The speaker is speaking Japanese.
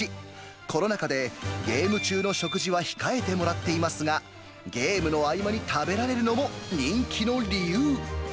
コロナ禍でゲーム中の食事は控えてもらっていますが、ゲームの合間に食べられるのも人気の理由。